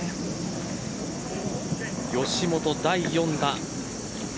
吉本、第４打。